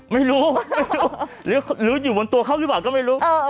ไม่รู้ไม่รู้หรืออยู่บนตัวเขาหรือเปล่าก็ไม่รู้